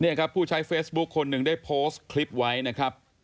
นี่ครับผู้ใช้เฟซบุ๊คคนหนึ่งได้โพสต์คลิปไว้นะครับ